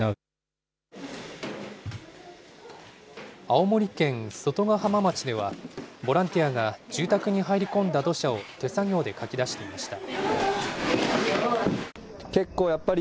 青森県外ヶ浜町では、ボランティアが住宅に入り込んだ土砂を手作業でかき出していました。